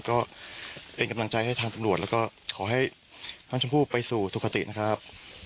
ก็เป็นกำลังใจให้ทางตำรวจแล้วก็ขอให้น้องชมพู่ไปสู่สุขตินะครับ